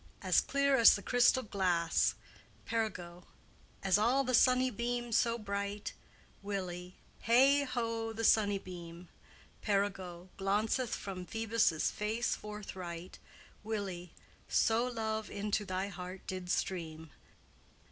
As clear as the crystal glasse. P. All as the sunny beame so bright, W. Hey, ho, the sunnebeame! P. Glaunceth from Phoebus' face forthright, W. So love into thy heart did streame."